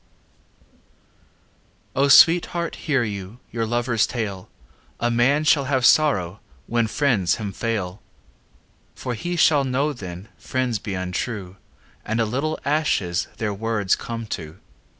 XVIII O Sweetheart, hear you Your lover's tale; A man shall have sorrow When friends him fail. For he shall know then Friends be untrue And a little ashes Their words come to.